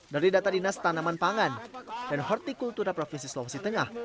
dari data dinas tanaman pangan dan hortikultura provinsi sulawesi tengah